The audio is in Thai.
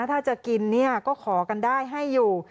ถ้าจะกินเนี่ยก็ขอกันได้ให้อยู่